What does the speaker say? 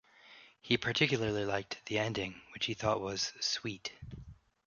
He particularly liked the ending which he thought was "sweet".